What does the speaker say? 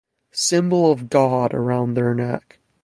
Symbol of god around their neck.